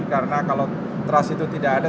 karena kalau trust itu tidak ada